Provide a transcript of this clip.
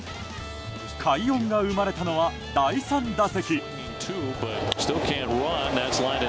快音が生まれたのは第３打席。